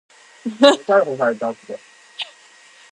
清明田，穀雨豆